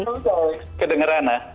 oh sorry kedengeran ah